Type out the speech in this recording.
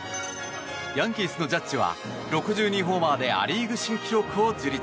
ヤンキースのジャッジは６２ホーマーでア・リーグ新記録を樹立。